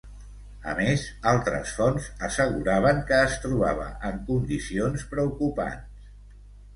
A més, altres fonts asseguraven que es trobava en condicions preocupants.